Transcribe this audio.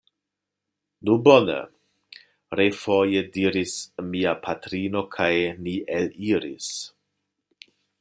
Nu, bone! refoje diris mia patrino kaj ni eliris.